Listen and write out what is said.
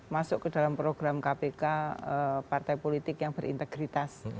masuk ke dalam program kpk partai politik yang berintegritas